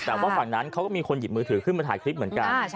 แต่ว่าฝั่งนั้นเขาก็มีคนหยิบมือถือขึ้นมาถ่ายคลิปเหมือนกัน